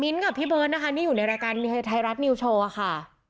กับพี่เบิร์ตนะคะนี่อยู่ในรายการไทยรัฐนิวโชว์ค่ะ